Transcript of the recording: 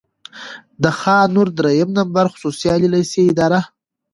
د خان نور دريیم نمبر خصوصي عالي لېسې اداره،